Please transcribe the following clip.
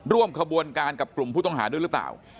ร่วมขบวนการกับกลุ่มผู้ต้องหาด้วยหรือเปล่า